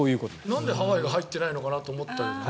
なんでハワイが入ってないのかなと思ったけどね。